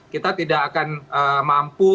kita tidak akan mampu